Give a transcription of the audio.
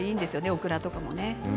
オクラとかも。